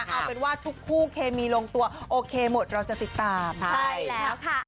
เอาเป็นว่าทุกคู่เคมีลงตัวโอเคหมดเราจะติดตามใช่แล้วค่ะ